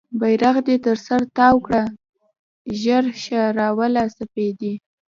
بیرغ دې تر سر تاو کړه ژر شه راوله سپیدې